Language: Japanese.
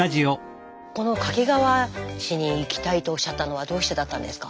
この掛川市に行きたいとおっしゃったのはどうしてだったんですか？